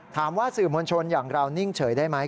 ถามว่าสื่อมวลชนอย่างเรานิ่งเฉยได้ไหม